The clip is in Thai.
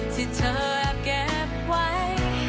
ที่เธอเก็บไว้